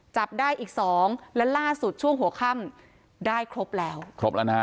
จับได้อีกสองและล่าสุดช่วงหัวค่ำได้ครบแล้วครบแล้วนะฮะ